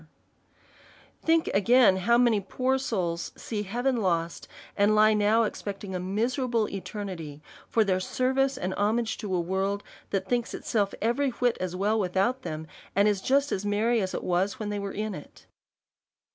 222 A SERIOUS CALL TO A Think again^ how many poor souls see heaven lost, and lie now expecting a miserable eternity, for their service and homage to a world, that thinks itself every whit as weJl without them, and is just as merry as it was when they were in it.